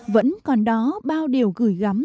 vẫn còn đó bao điều gửi gắm